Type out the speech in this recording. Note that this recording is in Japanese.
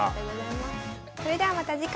それではまた次回。